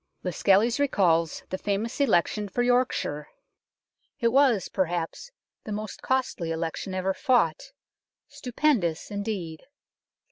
Lascelles recalls the famous election for York shire. It was, perhaps, the most costly election ever fought stupendous, indeed.